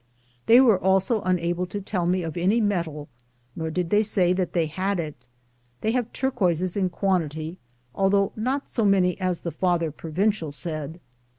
"They were also unable to tell me of any metal, nor did they say that they had it. They have turquoises in quantity, although not so many as the father provincial said.